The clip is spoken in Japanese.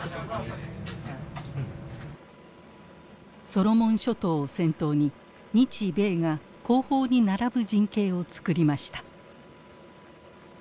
ソロモン諸島を先頭に日米が後方に並ぶ陣形を作りました。